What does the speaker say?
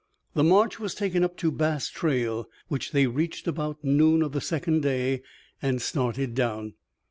The march was taken up to Bass Trail, which they reached about noon of the second day and started down.